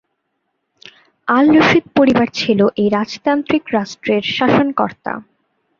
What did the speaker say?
আল Rashid পরিবার ছিল এই রাজতান্ত্রিক রাষ্ট্রের শাসনকর্তা।